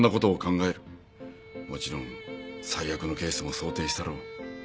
もちろん最悪のケースも想定したろう。